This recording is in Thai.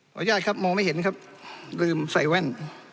อนุญาตครับมองไม่เห็นครับลืมใส่แว่น